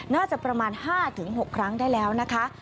น่าจะประมาณ๕๖ครั้งได้แล้วนะคะ